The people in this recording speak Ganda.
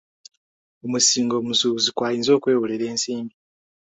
Omusingo omusuubuzi kwayinza okwewolera ensimbi.